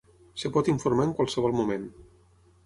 Es pot informar en qualsevol moment.